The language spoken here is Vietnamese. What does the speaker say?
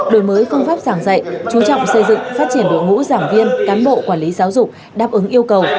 đổi mới phương pháp giảng dạy chú trọng xây dựng phát triển đội ngũ giảng viên cán bộ quản lý giáo dục đáp ứng yêu cầu